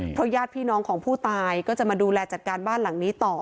เพราะญาติพี่น้องของผู้ตายก็จะมาดูแลจัดการบ้านหลังนี้ต่อ